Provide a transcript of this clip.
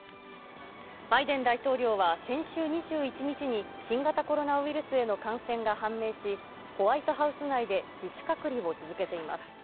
バイデン大統領は先週２１日に新型コロナウイルスへの感染が判明し、ホワイトハウス内で自主隔離を続けています。